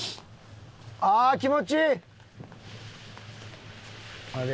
ああ気持ちいい！